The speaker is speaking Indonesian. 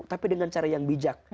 tapi dengan cara yang bijak